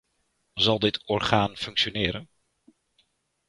Zal dit orgaan functioneren?